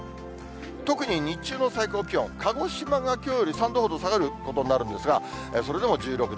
特に日中の最高気温、鹿児島がきょうより３度ほど下がることになるんですが、それでも１６度。